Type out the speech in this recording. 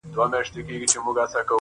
اوس یې پر پېچومو د کاروان حماسه ولیکه!!